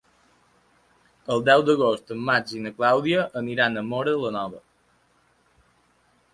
El deu d'agost en Max i na Clàudia aniran a Móra la Nova.